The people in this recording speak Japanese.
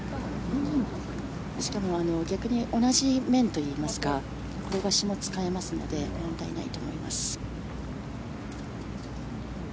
しかも、逆に同じ面といいますから転がしも使えますので問題ないと思います。